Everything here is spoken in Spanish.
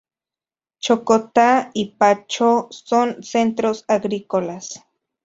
Chocontá y Pacho son centros agrícolas.